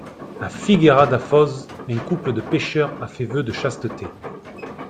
À Figueira da Foz, un couple de pêcheurs a fait vœu de chasteté.